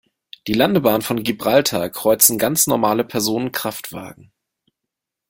Die Landebahn von Gibraltar kreuzen ganz normale Personenkraftwagen.